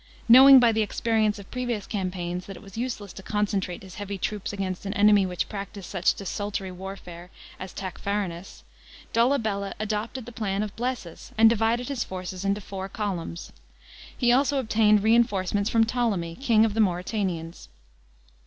Knowing by the experience of previous campaigns that it was useless to concentrate his heavy troops against an enemy which practised such desultory warfare as Tacfarinas, Dolabella adopted the plan of Blsesus, and divided his forces into four columns. He also obtained reinforcements from Ptolemy, king of the Mauretanians.